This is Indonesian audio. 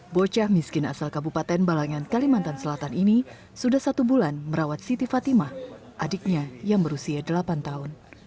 bocah miskin asal kabupaten balangan kalimantan selatan ini sudah satu bulan merawat siti fatimah adiknya yang berusia delapan tahun